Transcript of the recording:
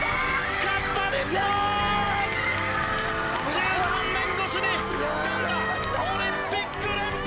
１３年越しにつかんだオリンピック連覇！